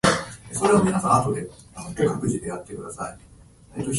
あなたは起きるのが遅い